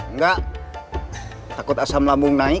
enggak takut asam lambung naik